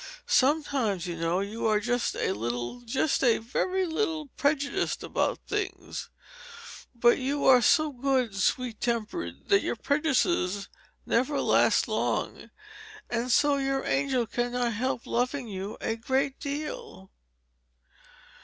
Sometimes, you know, you are just a little, just a very little prejudiced about things; but you are so good and sweet tempered that your prejudices never last long, and so your angel cannot help loving you a great deal."